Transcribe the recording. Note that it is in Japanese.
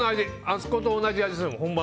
あそこと同じ味するもん。